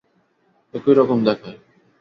একই রকম দেখায়।